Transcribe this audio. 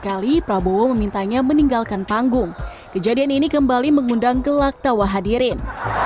kali prabowo memintanya meninggalkan panggung kejadian ini kembali mengundang gelak tawa hadirin